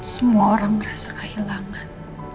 semua orang merasa kehilangan